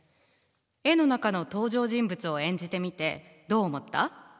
絵の中の登場人物を演じてみてどう思った？